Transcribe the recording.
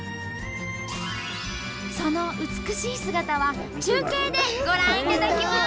その美しい姿は中継でご覧いただきます！